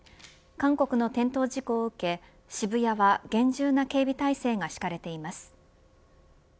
韓国の転倒事故を受け渋谷は厳重な警備態勢が敷かれています。